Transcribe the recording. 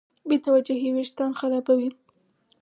بېتوجهي وېښتيان خرابوي.